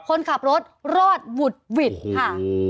คนขับรถรอดวุฒิสค่ะ